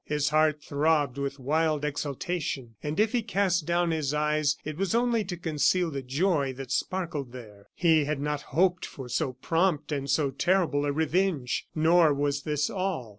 His heart throbbed with wild exultation; and if he cast down his eyes, it was only to conceal the joy that sparkled there. He had not hoped for so prompt and so terrible a revenge. Nor was this all.